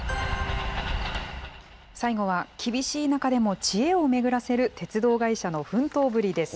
最後は、厳しい中でも知恵を巡らせる鉄道会社の奮闘ぶりです。